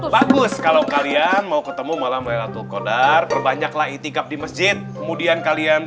bagus kalau kalian mau ketemu malam atuh kodar perbanyaklah etik at di masjid kemudian kalian